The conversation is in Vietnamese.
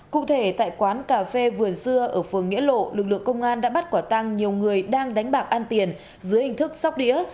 cụ thể tại quán cà phê vườn xưa ở phường nghĩa lộ lực lượng công an đã bắt quả tăng nhiều người đang đánh bạc an tiền dưới hình thức sóc đĩa